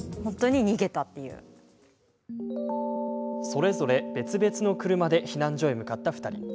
それぞれ別々の車で避難所へ向かった２人。